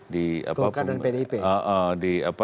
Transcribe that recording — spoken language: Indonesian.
golkar dan pdip